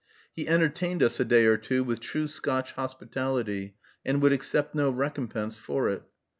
He entertained us a day or two with true Scotch hospitality, and would accept no recompense for it.